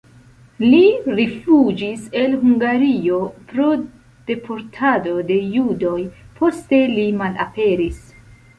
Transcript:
Li rifuĝis el Hungario pro deportado de judoj, poste li malaperis.